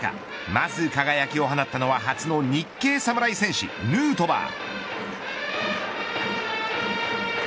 まず輝きを放ったのは初の日系侍戦士ヌートバー。